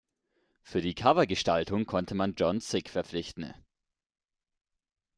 Für die Cover-Gestaltung konnte man Jon Zig verpflichten.